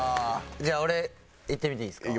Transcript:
俺いってみていいですか？